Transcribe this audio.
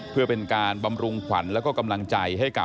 เพื่อเป็นการบำรุงขวัญและกำลังใจ